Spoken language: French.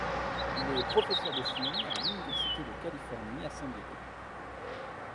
Il est Professeur de chimie à l'Université de Californie à San Diego.